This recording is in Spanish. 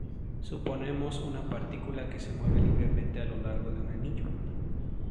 Suponemos una partícula que se mueve libremente a lo largo de un anillo.